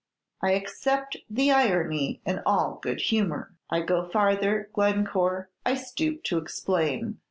"I accept the irony in all good humor; I go farther, Glencore, I stoop to explain.